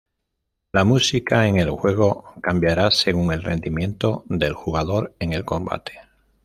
La música en el juego cambiará según el rendimiento del jugador en el combate.